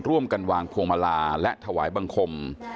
ร่วมกันวางพวงมาลาและถวายบังคม